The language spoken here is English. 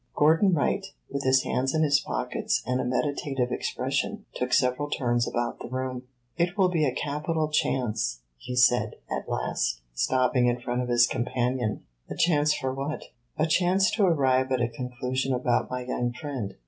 Gordon Wright, with his hands in his pockets and a meditative expression, took several turns about the room. "It will be a capital chance," he said, at last, stopping in front of his companion. "A chance for what?" "A chance to arrive at a conclusion about my young friend."